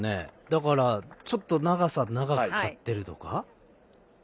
だから、ちょっと長さ長く刈ってるとか？